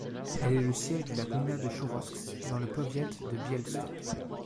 Elle est le siège de la gmina de Choroszcz, dans le powiat de Białystok.